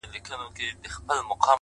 علم د ټولنې پرمختګ تضمینوي’